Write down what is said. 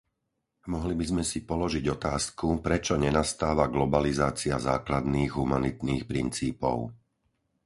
Mohli by sme si položiť otázku, prečo nenastáva globalizácia základných humanitných princípov.